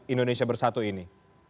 indonesia bersatu ini